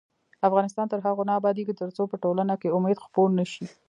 افغانستان تر هغو نه ابادیږي، ترڅو په ټولنه کې امید خپور نشي.